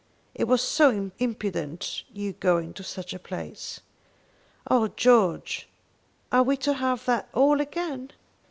"It was so imprudent your going to such a place!" "Oh George, are we to have that all again?"